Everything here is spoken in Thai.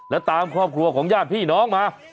แล้วตามครอบครัวของญาติพี่น้องมา